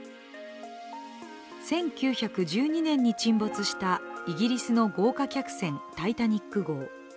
１９１２年に沈没したイギリスの豪華客船タイタニック号。